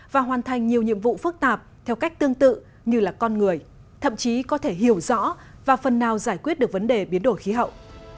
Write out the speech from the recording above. và hoàn thành nhiều nhiệm vụ phức tạp theo cách tương tự như là con người thậm chí có thể hiểu rõ và phần nào giải quyết được vấn đề biến đổi khí hậu